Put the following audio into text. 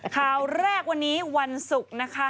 ข้าวแรกวันนี้วันศุกร์